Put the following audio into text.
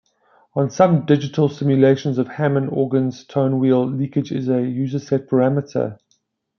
On some digital simulations of Hammond organs tonewheel leakage is a user-set parameter.